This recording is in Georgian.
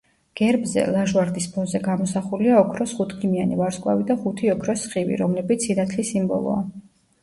გერბზე, ლაჟვარდის ფონზე გამოსახულია ოქროს ხუთქიმიანი ვარსკვლავი და ხუთი ოქროს სხივი, რომლებიც სინათლის სიმბოლოა.